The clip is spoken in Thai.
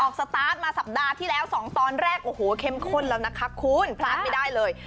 สตาร์ทมาสัปดาห์ที่แล้ว๒ตอนแรกโอ้โหเข้มข้นแล้วนะคะคุณพลาดไม่ได้เลย